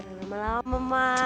selamat malam mama